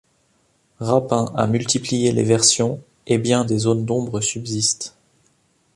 Rapin a multiplié les versions, et bien des zones d'ombre subsistent.